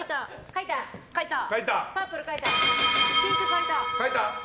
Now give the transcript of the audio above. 書いた！